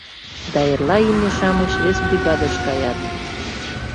Да эрла имне-шамыч вес бригадыш каят.